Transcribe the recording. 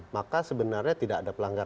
maka sebenarnya tidak ada pelanggaran